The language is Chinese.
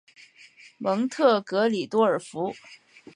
蒙特格里多尔福。